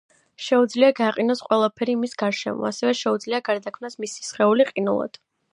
შეუძლია გაყინოს ყველაფერი მის გარშემო, ასევე შეუძლია გარდაქმნას მისი სხეული ყინულად.